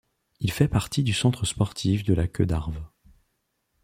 Il fait partie du centre sportif de la Queue d'Arve.